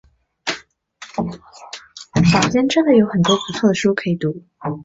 坊间真的有很多不错的书可以读